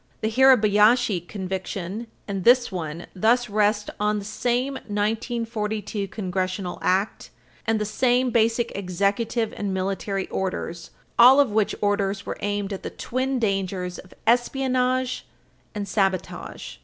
The Hirabayashi conviction and this one thus rest on the same 1942 Congressional Act and the same basic executive and military orders, all of which orders were aimed at the twin dangers of espionage and sabotage.